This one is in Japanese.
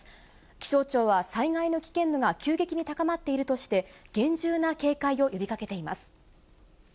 気象庁は、災害の危険度が急激に高まっているとして、厳重な警戒を呼びかけています。